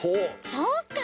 そうか！